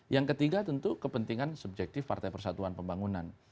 yang ketiga tentu kepentingan subjektif partai persatuan pembangunan